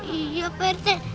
iya pak rt